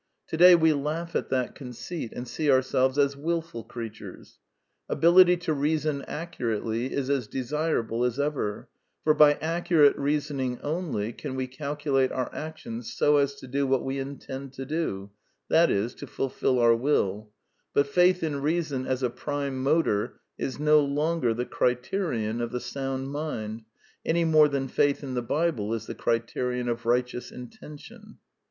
Today we laugh at that conceit, and see ourselves as wilful creatures. Ability to reason accurately is as de sirable as ever; for by accurate reasoning only can we calculate our actions so as to do what we intend to do : that is, to fulfil our will ; but faith in reason as a prime motor is no longer the cri terion of the sound mind, any more than faith in the Bible is the criterion of righteous intention.